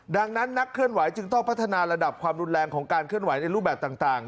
ดังนั้นนักเคลื่อนไหวจึงต้องพัฒนาระดับความรุนแรงของการเคลื่อนไหวในรูปแบบต่าง